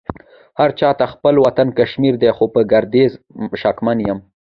هرچا ته خپل وطن کشمير دې خو په ګرديز شکمن يم